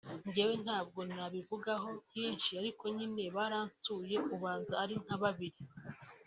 Njye ntabwo nabivugaho byinshi ariko nyine baransuye ubanza ari nka kabiri